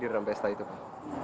di dalam pesta itu pak